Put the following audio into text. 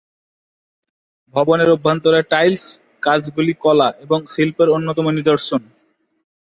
ভবনের অভ্যন্তরে টাইলস-কাজগুলি কলা এবং শিল্পের অন্যতম নিদর্শন।